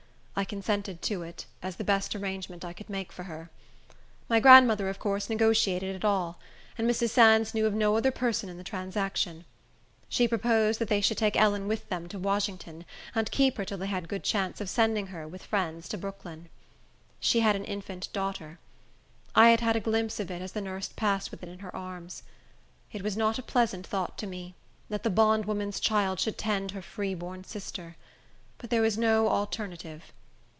I consented to it, as the best arrangement I could make for her. My grandmother, of course, negotiated it all; and Mrs. Sands knew of no other person in the transaction. She proposed that they should take Ellen with them to Washington, and keep her till they had a good chance of sending her, with friends, to Brooklyn. She had an infant daughter. I had had a glimpse of it, as the nurse passed with it in her arms. It was not a pleasant thought to me, that the bondwoman's child should tend her free born sister; but there was no alternative.